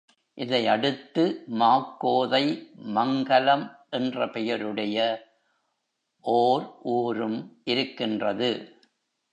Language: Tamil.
இதையடுத்து மாக்கோதை மங்கலம் என்ற பெயருடைய ஒர் ஊரும் இருக்கின்றது.